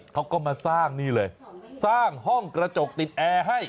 เขาก็มาสร้างนี่เลยสร้างห้องกระจกติดแอร์ให้